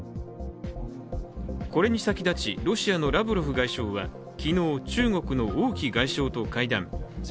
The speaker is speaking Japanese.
これに先立ち、ロシアのラブロフ外相は昨日、中国の王毅外相と会談。